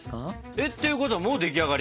えっっていうことはもうでき上がり？